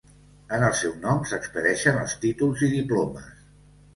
En el seu nom s'expedeixen els títols i diplomes.